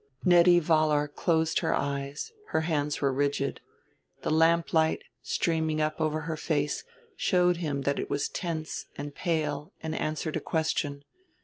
Nettie Vollar closed her eyes, her hands were rigid. The lamplight, streaming up over her face, showed him that it was tense and pale and answered a question.